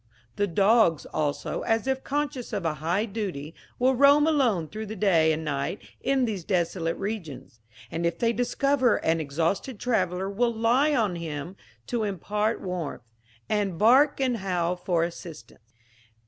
The dogs, also, as if conscious of a high duty, will roam alone through the day and night in these desolate regions, and if they discover an exhausted traveller will lie on him to impart warmth, and bark and howl for assistance."